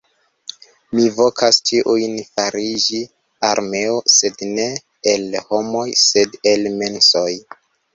Mi vokas ĉiujn fariĝi armeo sed ne el homoj sed el mensoj